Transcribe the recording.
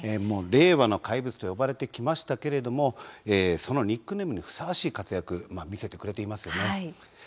「令和の怪物」と呼ばれてきましたけれどもそのニックネームにふさわしい活躍、見せてくれていますよね。